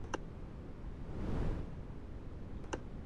Los sencillos son "End", "No" y "Oh my boy".